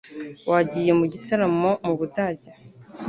Wagiye mu gitaramo mu Budage?